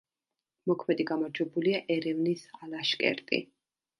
მოქმედი გამარჯვებულია ერევნის „ალაშკერტი“.